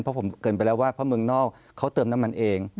เพราะผมเกินไปแล้วว่าเพราะเมืองนอกเขาเติมน้ำมันเอง